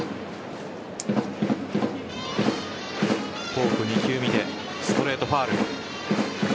フォーク２球見てストレート、ファウル。